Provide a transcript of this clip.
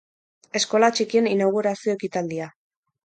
Eskola txikien inaugurazio ekitaldia.